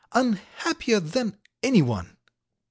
Unhappier than anyone!"